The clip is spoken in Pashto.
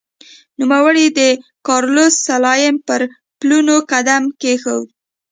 نوموړي د کارلوس سلایم پر پلونو قدم کېښود.